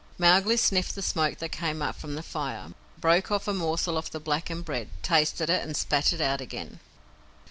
Mowgli sniffed the smoke that came up from the fire, broke off a morsel of the blackened bread, tasted it, and spat it out again.